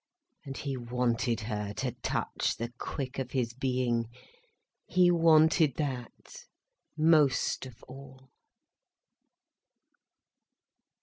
And he wanted her to touch the quick of his being, he wanted that most of all.